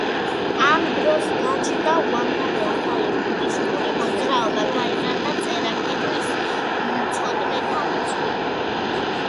ამ დროს გაჩნდა უამრავი ახალი ბუდისტური მოძრაობა, გაიზარდა წერა-კითხვის მცოდნეთა რიცხვი.